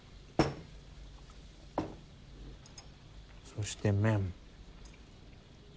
そして麺。